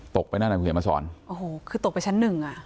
ตกไปหน้าหน้าเรียนมาสอนโอ้โหคือตกไปชั้นหนึ่งอ่ะ